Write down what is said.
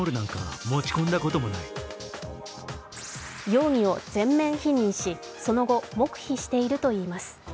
容疑を全面否認し、その後、黙秘しているといいます。